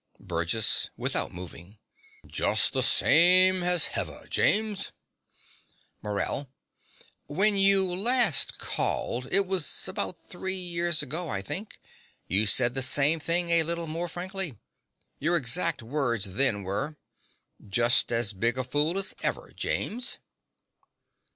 BURGESS (without moving). Just the same as hever, James! MORELL. When you last called it was about three years ago, I think you said the same thing a little more frankly. Your exact words then were: "Just as big a fool as ever, James?"